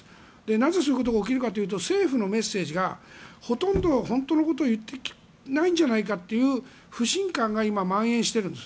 なぜそういうことが起きるかというと政府のメッセージがほとんど本当のことを言っていないんじゃないかという不信感が今、まん延しているんです。